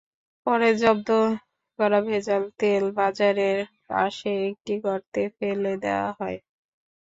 পরে জব্দ করা ভেজাল তেল বাজারের পাশে একটি গর্তে ফেলে দেওয়া হয়।